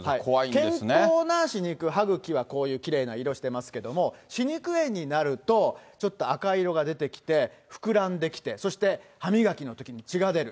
健康な歯肉、歯ぐきはこういうきれいな色してますけど、歯肉炎になると、ちょっと赤い色が出てきて、膨らんできて、そして歯磨きのときに血が出る。